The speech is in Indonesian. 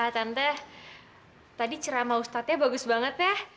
wah tante tadi cerah sama ustadznya bagus banget ya